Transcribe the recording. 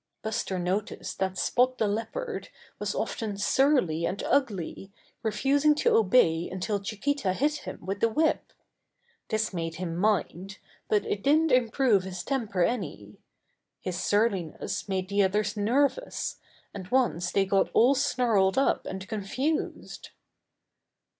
Buster noticed that Spot the Leopard was often surly and ugly, refusing to obey until Chiquita hit him with the whip. This made him mind, but it didn't improve his temper any. His surliness made the others nervous, and once they got all snarled up and confused.